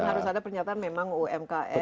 harus ada pernyataan memang umkm